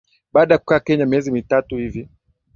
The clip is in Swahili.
Baada ya kukaa Kenya miezi mitatu hivi